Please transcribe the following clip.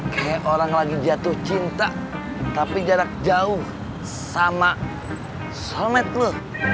kayak orang lagi jatuh cinta tapi jarak jauh sama somet lu